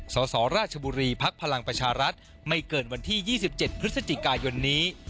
สสราชบุรีภักดิ์พลังประชารัฐไม่เกินวันที่๒๗พฤศจิกายนนี้